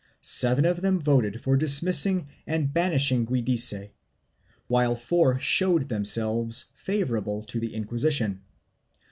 Seven of them voted for dismissing and banishing Giudice, while four showed themselves favorable to the Inquisi tion.